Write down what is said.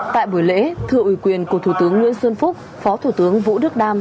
tại buổi lễ thưa ủy quyền của thủ tướng nguyễn xuân phúc phó thủ tướng vũ đức đam